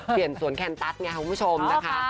เปลี่ยนสวนแค้นตั๊ดไงครับคุณผู้ชมนะคะ